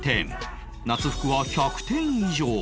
夏服は１００点以上